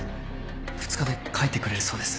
２日で描いてくれるそうです。